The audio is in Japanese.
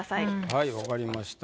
はい分かりました。